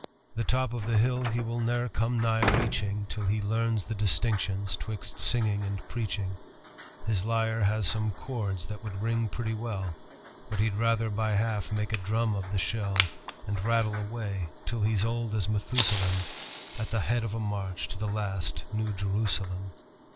The top of the hill he will ne'er come nigh reaching Till he learns the distinctions 'twixt singing and preaching; His lyre has some chords that would ring pretty well, But he'd rather by half make a drum of the shell, And rattle away till he's old as Methusalem At the head of a march to the last New Jerusalem."